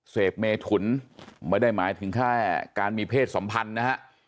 เสพเมถุนไม่ได้หมายถึงแค่การมีเพศสัมพันธ์นะฮะ